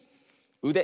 うで。